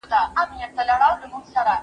کتاب د زده کوونکي لخوا لوستل کېږي.